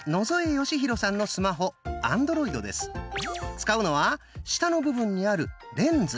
使うのは下の部分にある「レンズ」。